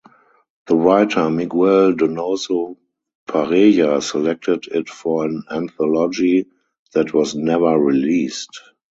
The writer Miguel Donoso Pareja selected it for an anthology that was never released.